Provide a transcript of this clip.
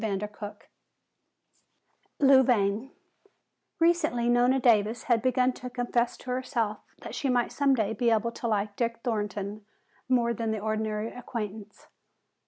CHAPTER XVI Louvain Recently Nona Davis had begun to confess to herself that she might some day be able to like Dick Thornton more than an ordinary acquaintance.